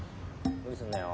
無理すんなよ。